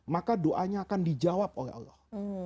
maka doanya akan dijawab oleh allah